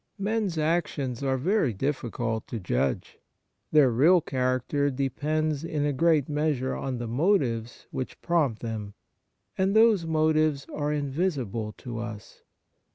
Men's actions are very difficult to judge. Their real character depends in a great' measure on the motives which prompt them, and those motives are invisible to us.